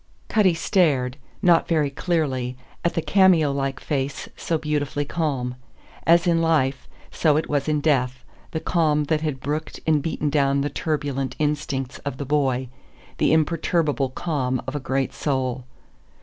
Cutty stared not very clearly at the cameo like face so beautifully calm. As in life, so it was in death; the calm that had brooked and beaten down the turbulent instincts of the boy, the imperturbable calm of a great soul.